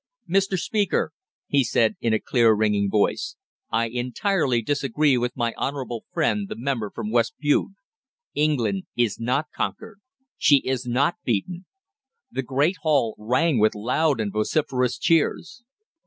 "Mr. Speaker," he said, in a clear, ringing voice, "I entirely disagree with my honourable friend the member for West Bude. England is not conquered! She is not beaten!" The great hall rang with loud and vociferous cheers.